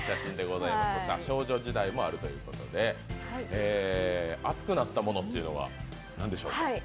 少女時代もあるということで熱くなったものは何でしょうか？